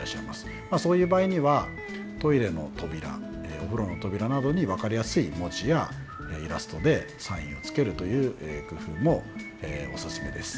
そういう場合にはトイレの扉お風呂の扉などに分かりやすい文字やイラストでサインをつけるという工夫もオススメです。